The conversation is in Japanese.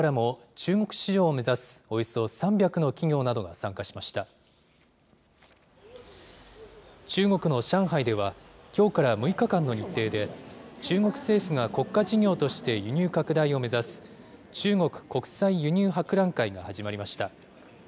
中国の上海では、きょうから６日間の日程で、中国政府が国家事業として輸入拡大を目指す、中国国際輸入博覧会が始まりました。